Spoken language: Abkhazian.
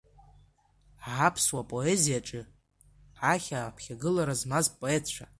Аԥсуа поезиаҿы ԥахьа аԥхьагылара змаз апоетцәа.